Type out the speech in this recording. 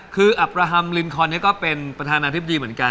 คืออับประฮัมลินคอนก็เป็นประธานาธิบดีเหมือนกัน